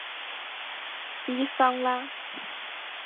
伊桑拉。